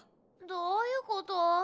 どういうこと？